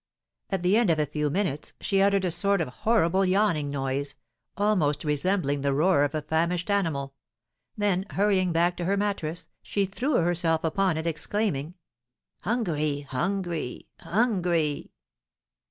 At the end of a few minutes, she uttered a sort of horrible yawning noise, almost resembling the roar of a famished animal; then, hurrying back to her mattress, she threw herself upon it, exclaiming: "Hungry! hungry! hungry!"